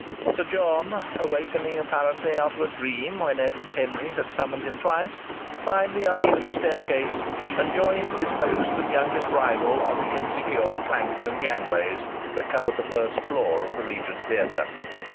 Sir John, awaking apparently out of a dream when Edward Henry had summoned him twice, climbed the uneven staircase and joined his host and youngest rival on the insecure planks and gangways that covered the first floor of the Regent Theatre.